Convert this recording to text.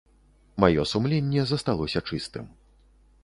Маё сумленне засталося чыстым.